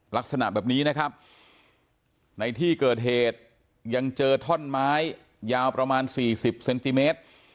ลักษณะแบบนี้นะครับในที่เกิดเหตุยังเจอท่อนไม้ยาวประมาณ๔๐เซนติเมตร